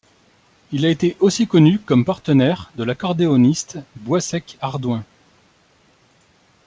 Il a été aussi connu comme partenaire de l'accordéoniste Bois Sec Ardoin.